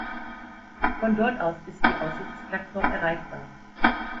Von dort aus ist die Aussichtsplattform erreichbar.